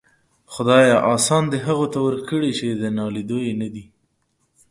خداىه! آسان دي هغو ته ورکړي چې د ناليدو يې ندې.